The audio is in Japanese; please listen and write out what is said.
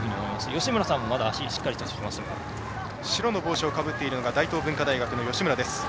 吉村さんも白の帽子をかぶっている大東文化大学の吉村。